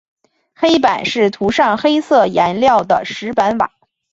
黑板是涂上黑色颜料的石板瓦。